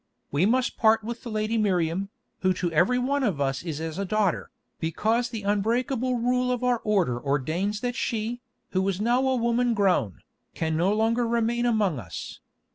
We must part with the lady Miriam, who to every one of us is as a daughter, because the unbreakable rule of our order ordains that she, who is now a woman grown, can no longer remain among us.